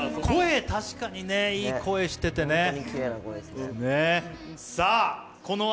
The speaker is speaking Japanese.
声、確かにいい声しててね。